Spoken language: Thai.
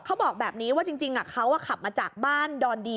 เขาบอกแบบนี้ว่าจริงเขาขับมาจากบ้านดอนดี